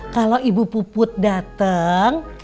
kalau ibu puput dateng